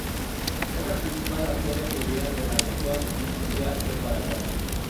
Es la principal arteria fluvial de la región, en especial, de Paraguay.